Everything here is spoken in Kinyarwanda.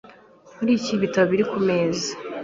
Nkore iki ibitabo biri kumeza?